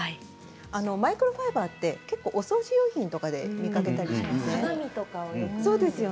マイクロファイバーはお掃除用品とかで見かけたりしませんか？